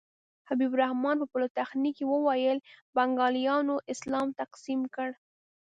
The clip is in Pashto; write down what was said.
حبیب الرحمن په پولتخنیک کې وویل بنګالیانو اسلام تقسیم کړ.